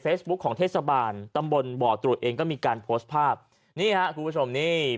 เฟซบุ๊คของเทศสะบาลตำบลบ่อตรุดเองก็มีการพกฎภาพนี่ฮะคุณผู้ชมเนี้ย